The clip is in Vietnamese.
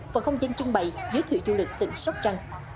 và không gian trưng bày giới thiệu du lịch tỉnh sóc trăng